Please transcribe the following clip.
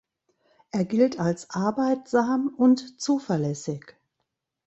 Er gilt als arbeitsam und zuverlässig.